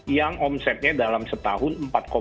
yang omsetnya dalam setahun empat delapan